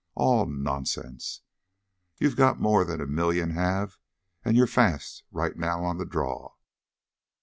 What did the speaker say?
All nonsense! You got more than a million have and you're fast right now on the draw.